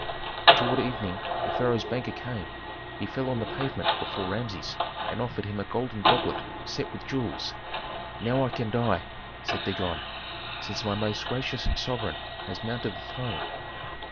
Toward evening the pharaoh's banker came. He fell on the pavement before Rameses and offered him a golden goblet set with jewels. "Now I can die!" said Dagon, "since my most gracious sovereign has mounted the throne."